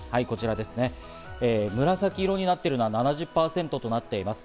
紫色になっているのが７０％となっています。